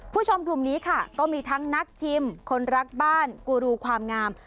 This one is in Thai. ชมกลุ่มนี้ค่ะก็มีทั้งนักชิมคนรักบ้านกูรูความงาม